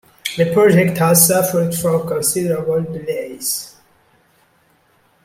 The project has suffered from considerable delays.